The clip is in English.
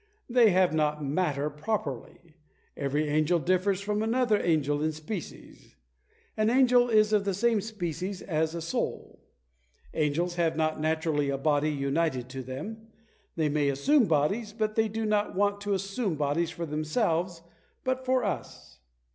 They have not matter properly. Every angel differs from another angel in species. An angel is of the same species as a soul. Angels have not naturally a body united to them. They may assume bodies; but they do not want to assume bodies for themselves, but for us.